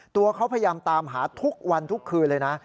ตัวเขาพยายามตามหาทุกวันทุกคืนเลยนะ